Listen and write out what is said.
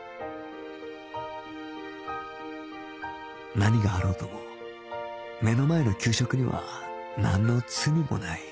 何があろうとも目の前の給食にはなんの罪もない